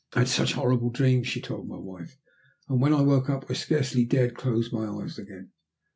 "I had such horrible dreams," she told my wife, "that when I woke up I scarcely dared close my eyes again."